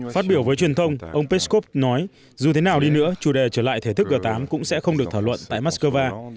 phát biểu với truyền thông ông peskov nói dù thế nào đi nữa chủ đề trở lại thể thức g tám cũng sẽ không được thảo luận tại moscow